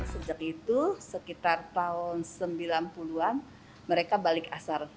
sejak itu sekitar tahun sembilan puluh an mereka balik asar